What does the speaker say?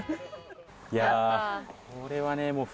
いやこれはねもう。